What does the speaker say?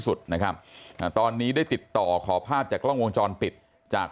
สุดนะครับอ่าตอนนี้ได้ติดต่อขอภาพจากกล้องวงจรปิดจาก